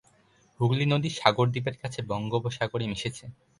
হুগলি নদী সাগর দ্বীপের কাছে বঙ্গোপসাগরে মিশেছে।